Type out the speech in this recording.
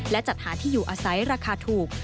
และจัดหาที่อยู่อาศัยราคาถูก